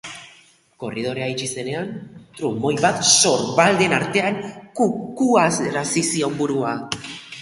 Korridorera iritsi zenean, trumoi batek sorbalden artean kukuarazi zion burua.